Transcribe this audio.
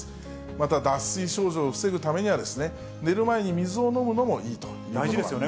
また、脱水症状を防ぐためには、寝る前に水を飲むのもいいといわれています。